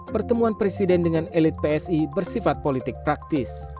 pertemuan presiden dengan elit psi bersifat politik praktis